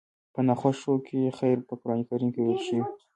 په ناخوښو کې خير په قرآن کريم کې ويل شوي.